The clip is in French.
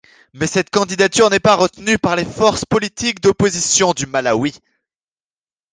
Mais cette candidature n’est pas retenue par les forces politiques d’opposition du Malawi.